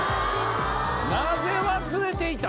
なぜ忘れていた？